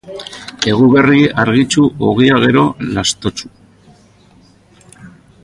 Eguberri argitsu, ogia gero lastotsu.